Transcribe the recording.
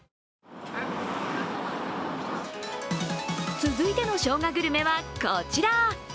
続いてのしょうがグルメはこちら。